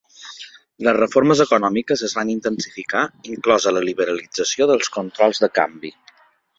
Les reformes econòmiques es van intensificar, inclosa la liberalització dels controls de canvi.